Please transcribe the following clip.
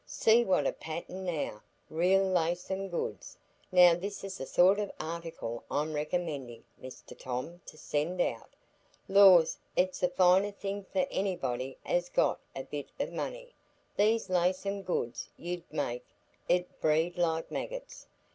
see what a pattern now! Real Laceham goods. Now, this is the sort o' article I'm recommendin' Mr Tom to send out. Lors, it's a fine thing for anybody as has got a bit o' money; these Laceham goods 'ud make it breed like maggits.